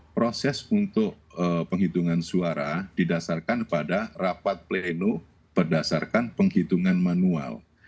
proses untuk penghitungan suara didasarkan pada rapat pleno berdasarkan penghitungan manual